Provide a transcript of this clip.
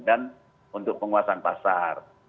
dan untuk penguasaan pasar